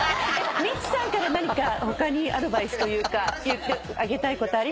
ミッツさんから何か他にアドバイスというか言ってあげたいことありますか？